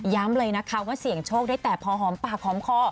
เลยนะคะว่าเสี่ยงโชคได้แต่พอหอมปากหอมคอ